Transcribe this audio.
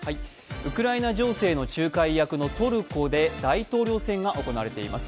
ウクライナ情勢の仲介役のトルコで大統領選が行われています。